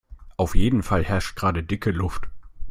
Auf jeden Fall herrscht gerade dicke Luft.